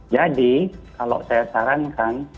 jadi kalau saya sarankan